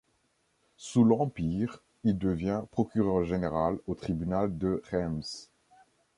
Sous l’Empire, il devient procureur général au tribunal de Reims.